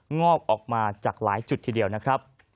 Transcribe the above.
งอกออกมาจากหลายจุดทีเดียวนะครับ